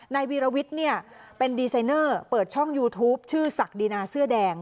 วีรวิทย์เนี่ยเป็นดีไซเนอร์เปิดช่องยูทูปชื่อศักดีนาเสื้อแดง